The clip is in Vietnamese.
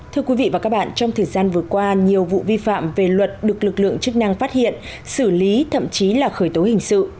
thưa quý vị và các bạn trong thời gian vừa qua nhiều vụ vi phạm về luật được lực lượng chức năng phát hiện xử lý thậm chí là khởi tố hình sự